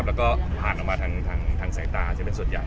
แล้วก็ผ่านออกมาทางสายตาใช่ไหมส่วนใหญ่